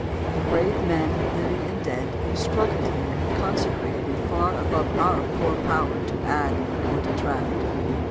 The brave men, living and dead, who struggled here have consecrated it far above our poor power to add or detract.